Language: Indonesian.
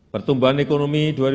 pertumbuhan ekonomi makro